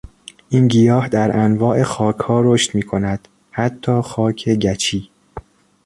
این گیاه در انواع خاکها رشد میکند حتی خاک گچی.